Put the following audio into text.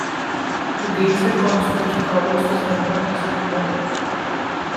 The Gateshead constituency covers the centre and east of the borough.